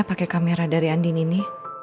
pake kamera dari andi ini